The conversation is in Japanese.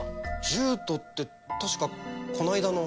獣人って確かこの間の。